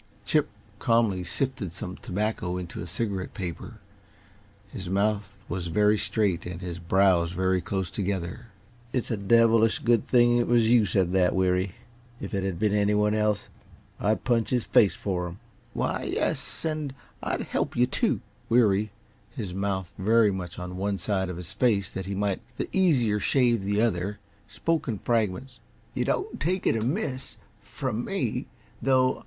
Chip calmly sifted some tobacco into a cigarette paper. His mouth was very straight and his brows very close together. "It's a devilish good thing it was YOU said that, Weary. If it had been anyone else I'd punch his face for him." "Why, yes an' I'd help you, too." Weary, his mouth very much on one side of his face that he might the easier shave the other, spoke in fragments. "You don't take it amiss from me, though.